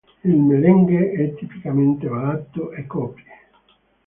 Il merengue è tipicamente ballato a coppie.